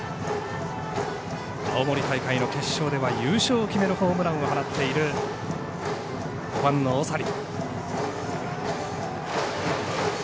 青森大会の決勝では優勝を決めるホームランを放っている５番の長利。